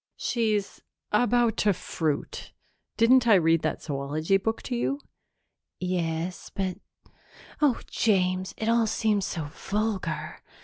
"She's about to fruit. Didn't I read that zoology book to you?" "Yes, but oh, James, it all seems so vulgar!